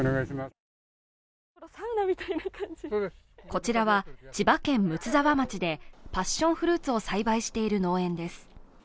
こちらは千葉県睦沢町でパッションフルーツを栽培している農園です。